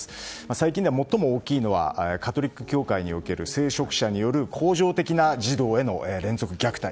最近では最も大きいのはカトリック教会における聖職者における恒常的な児童への連続虐待。